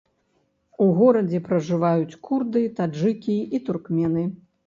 У горадзе пражываюць курды, таджыкі і туркмены.